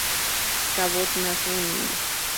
Cabot nace en Indiana.